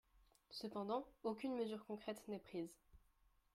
Cependant, aucune mesure concrète n’est prise.